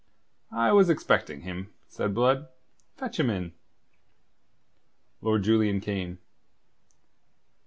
"I was expecting him," said Blood. "Fetch him in." Lord Julian came.